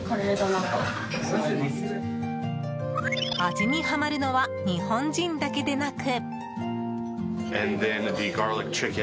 味にはまるのは日本人だけでなく。